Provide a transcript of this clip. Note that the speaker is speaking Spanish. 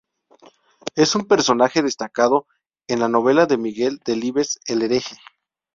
Es un personaje destacado en la novela de Miguel Delibes, "El hereje".